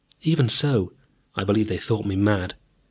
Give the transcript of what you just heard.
Even so, I believe they thought me mad.